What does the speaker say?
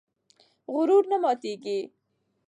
غرور نه ماتېږي.